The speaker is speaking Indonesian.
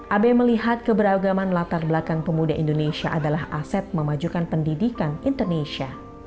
abe melihat keberagaman latar belakang pemuda indonesia adalah aset memajukan pendidikan indonesia